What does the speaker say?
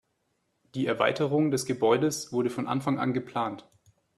Der Erweiterung des Gebäudes wurde von Anfang an geplant.